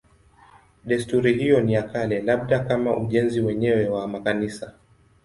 Desturi hiyo ni ya kale, labda kama ujenzi wenyewe wa makanisa.